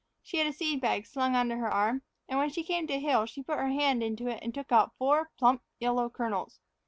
She had a seed bag slung under her arm, and when she came to a hill she put her hand into it and took out four plump, yellow kernels.